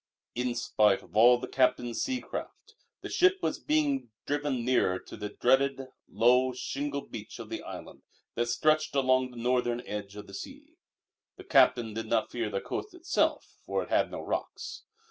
In spite of all the captain's sea craft the ship was being driven nearer to the dreaded, low, shingle beach of the island that stretched along the northern edge of the sea. The captain did not fear the coast itself, for it had no rocks.